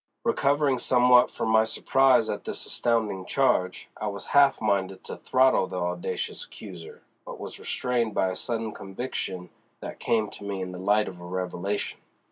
Recovering somewhat from my surprise at this astounding charge, I was half minded to throttle the audacious accuser, but was restrained by a sudden conviction that came to me in the light of a revelation.